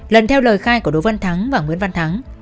lần theo lời khai của đỗ văn thắng và nguyễn văn thắng